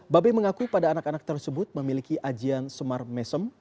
babe mengaku pada anak anak tersebut memiliki ajian semar mesem